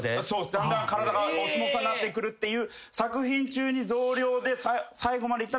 だんだん体がお相撲さんになってくるっていう。